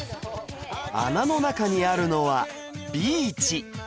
穴の中にあるのはビーチ